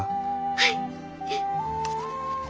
はい！